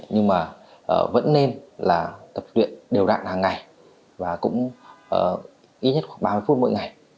nhưng mà vẫn nên là tập luyện đều đạn hàng ngày và cũng ít nhất khoảng ba mươi phút mỗi ngày